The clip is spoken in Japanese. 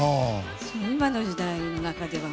今の時代の中では